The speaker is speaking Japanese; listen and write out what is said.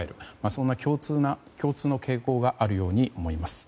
そんな共通の傾向があるように思います。